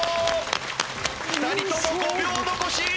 ２人とも５秒残し。